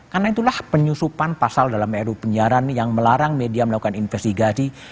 karena itulah penyusupan pasal dalam erup penyiaran yang melarang media melakukan investigasi